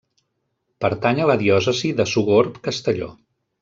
Pertany a la Diòcesi de Sogorb-Castelló.